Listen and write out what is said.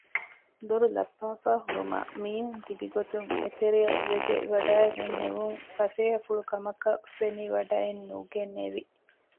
ދޮރުލައްޕާފައި ހުރުމާ މީހުންތިބިގޮތުން އެތެރެޔަށް ވެދެވަޑައިގެންނެވުން ފަސޭހަފުޅުކަމަކަށް ފެނިވަޑައެއް ނުގެނެވި